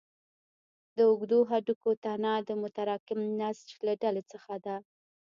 د اوږدو هډوکو تنه د متراکم نسج له ډلې څخه ده.